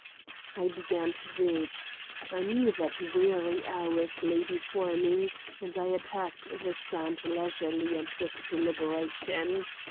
I began to dig. I knew that weary hours lay before me, and I attacked the sand leisurely and with deliberation.